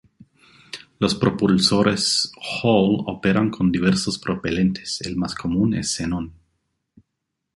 Los propulsores Hall operan con diversos propelentes, el más común es xenón.